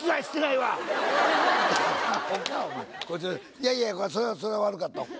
いやいやそれは悪かった。